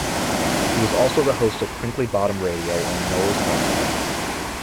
He was also the host of Crinkley Bottom radio on "Noel's House Party".